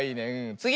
つぎ！